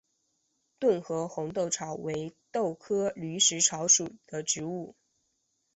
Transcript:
顿河红豆草为豆科驴食草属的植物。